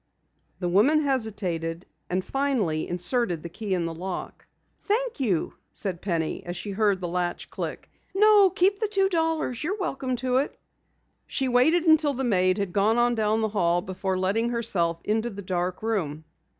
The woman hesitated, and finally inserted the key in the lock. "Thank you," said Penny as she heard the latch click. "No, keep the two dollars. You are welcome to it." She waited until the maid had gone on down the hall before letting herself into the dark room.